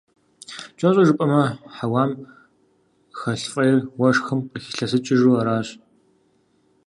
КӀэщӀу жыпӀэмэ, хьэуам хэлъ фӀейр уэшхым къыхилъэсыкӀыжу аращ.